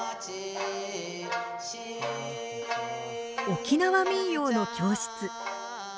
沖縄民謡の教室。